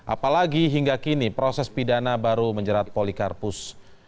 apalagi hingga kini proses pidana baru menjerat polikarpus